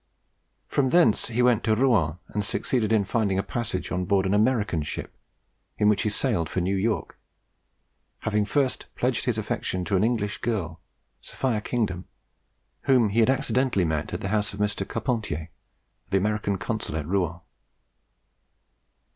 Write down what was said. From thence he went to Rouen, and succeeded in finding a passage on board an American ship, in which he sailed for New York, having first pledged his affections to an English girl, Sophia Kingdom, whom he had accidentally met at the house of Mr. Carpentier, the American consul at Rouen.